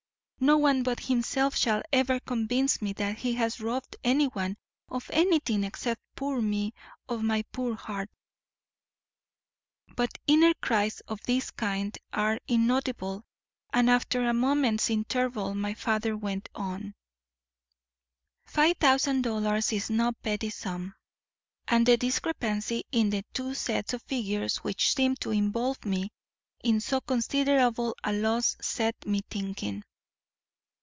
No one but himself shall ever convince me that he has robbed anyone of anything except poor me of my poor heart." But inner cries of this kind are inaudible and after a moment's interval my father went on: "Five thousand dollars is no petty sum, and the discrepancy in the two sets of figures which seemed to involve me in so considerable a loss set me thinking.